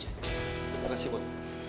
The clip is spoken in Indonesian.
terima kasih mon